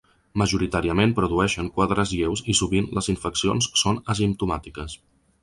Majoritàriament produeixen quadres lleus i sovint les infeccions són asimptomàtiques.